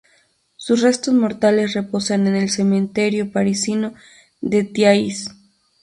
Sus restos mortales reposan en el cementerio parisino de Thiais.